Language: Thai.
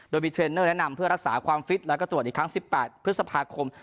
โดยมีเทรนเนอร์แนะนำเพื่อรักษาความฟิตแล้วก็ตรวจอีกครั้ง๑๘พฤษภาคม